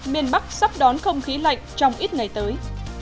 miền bắc sắp đón không khí lạnh trong ít ngày tới